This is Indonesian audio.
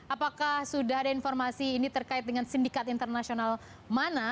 apakah sudah ada informasi ini terkait dengan sindikat internasional mana